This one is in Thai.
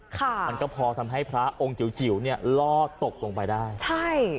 ค่ะมันก็พอทำให้พระองค์จิ๋วจิ๋วเนี่ยล่อตกลงไปได้ใช่